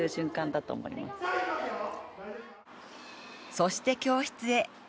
そして教室へ。